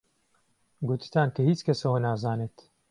گوتتان کە هیچ کەس ئەوە نازانێت